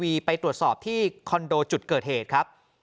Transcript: ทากน้าที่คอนโดขอบที่คอนโดจุดเกิดเหตุครับ